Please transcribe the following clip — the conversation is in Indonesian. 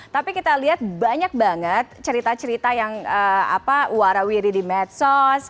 tapi kita lihat banyak banget cerita cerita yang warawiri di medsos